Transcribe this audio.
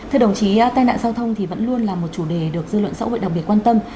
thưa đồng chí tai nạn giao thông thì vẫn luôn là một chủ đề được dư luận xã hội đặc biệt quan tâm